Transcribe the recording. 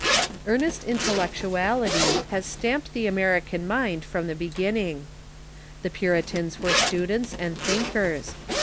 Earnest intellectuality has stamped the American mind from the beginning. The Puritans were students and think ers.